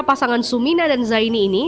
pasangan sumina dan zaini ini